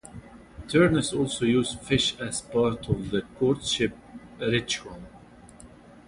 Terns also use fish as part of the courtship ritual.